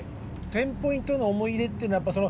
テンポイントの思い出っていうのはやっぱ関西から来た